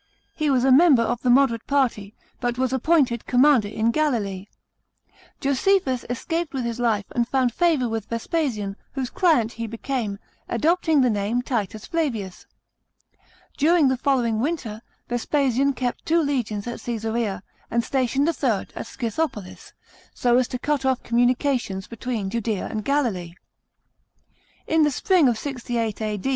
Ho was a member of the moderate party, but was appointed commando" in Galilee. Josephus escaped with his life, and found favour with Vespasian, whose client he became, adopting the name Titus Flavius. During the following winter, Vespasian kept two legions at Cagsarea, and stationed the third at Scyihopolis, so as to cut off communications between Judea and Galilee. In the spring of 68 A.